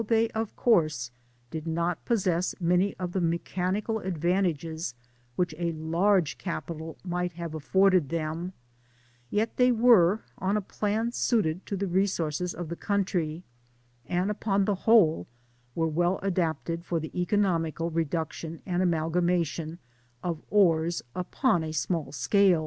5217 they, of course, did not possess many of the me chanical advantages which a large capital might have a£Porded them, yet they were on a plan suited to the resources of the country, and upon the whole were well adapted for the economical reduction and amalgamation of ores upon a small scale.